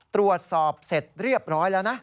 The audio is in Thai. ตรวจสอบเสร็จเรียบร้อยแล้วนะ